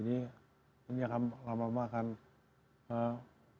ini akan lama lama akan